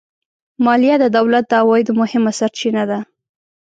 مالیه د دولت د عوایدو مهمه سرچینه ده